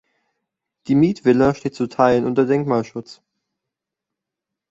Die Mietvilla steht zu Teilen unter Denkmalschutz.